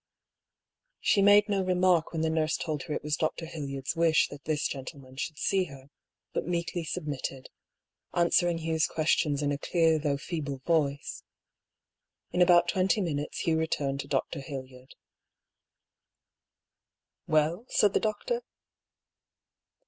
She made no remark when the nurse told her it was Dr. Hildyard's wish that this gentleman should see her, but meekly submitted, answering Hugh's questions in a clear though feeble voice. In about twenty min utes Hugh returned to Dr. Hildyard. « Well ?" said the doctor.